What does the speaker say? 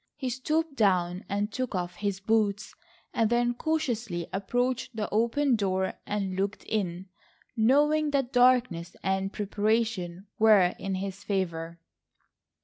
He stooped down and took off his boots, and then cautiously approached the open door and looked in, knowing that darkness and preparation were in his favour.